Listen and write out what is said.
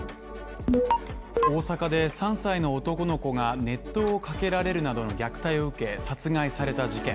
大阪で３歳の男の子が熱湯をかけられるなどの虐待を受け殺害された事件